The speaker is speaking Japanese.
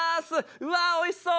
うわおいしそう！